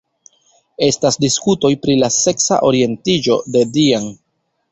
Estas diskutoj pri la seksa orientiĝo de Dean.